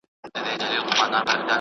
زه به سبا پاکوالي ساتم وم.